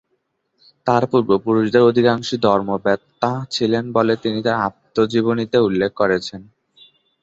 তাঁর পূর্বপুরুষদের অধিকাংশই ধর্মবেত্তা ছিলেন বলে তিনি তাঁর আত্মজীবনীতে উল্লেখ করেছেন।